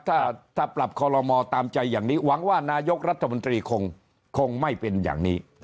ถ้าปรับคอลโลมอตามใจอย่างนี้หวังว่านายกรัฐมนตรีคงไม่เป็นอย่างนี้